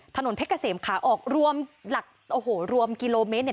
ถนนเพชรเกษมขาออกรวมหลักโอ้โหรวมกิโลเมตรเนี่ย